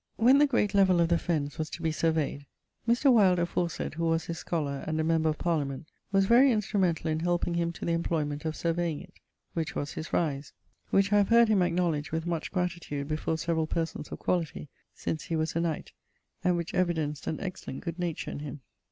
When the great levell of the fennes was to be surveyed, Mr. Wyld aforesaid who was his scholar and a member of Parliament was very instrumentall in helping him to the employment of surveying it, which was his rise, which I have heard him acknowledge with much gratitude before severall persons of quality, since he was a knight, and which evidenced an excellent good nature in him.